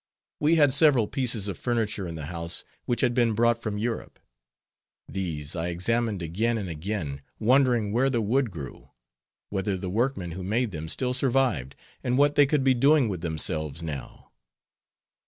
We had several pieces of furniture in the house, which had been brought from Europe. These I examined again and again, wondering where the wood grew; whether the workmen who made them still survived, and what they could be doing with themselves now.